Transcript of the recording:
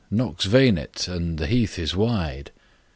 Nox Venit, and the heath is wide."